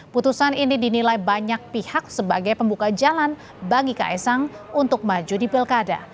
putusan ini dinilai banyak pihak sebagai pembuka jalan bagi kaisang untuk maju di pilkada